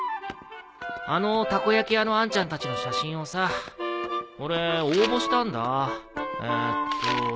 あのたこ焼き屋のあんちゃんたちの写真をさ俺応募したんだえっと。